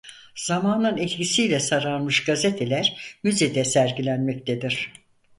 Zamanın etkisiyle sararmış gazeteler müzede sergilenmektedir.